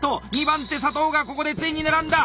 ２番手佐藤がここでついに並んだ！